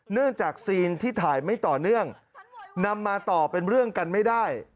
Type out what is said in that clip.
จากซีนที่ถ่ายไม่ต่อเนื่องนำมาต่อเป็นเรื่องกันไม่ได้